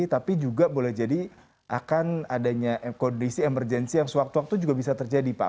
tapi juga boleh jadi akan adanya kondisi emergensi yang sewaktu waktu juga bisa terjadi pak